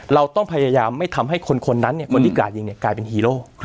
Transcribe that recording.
เราต้องพยายามไม่ทำให้คนนั้นคนที่กราดยิงกลายเป็นฮีโร่